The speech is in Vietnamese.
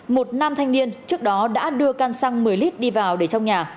một nam thanh niên trước đó đã đưa căn xăng một mươi lit đi vào để trong nhà